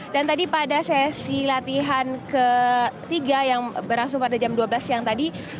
dan tadi pada sesi latihan ketiga yang berlangsung pada jam dua belas siang tadi